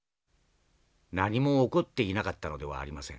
「何も起こっていなかったのではありません。